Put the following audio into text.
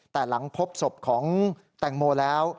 แต่หลังพบศพของแตงโมแล้ว